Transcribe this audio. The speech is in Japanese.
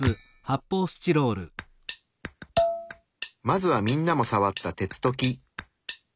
まずはみんなもさわった鉄と木。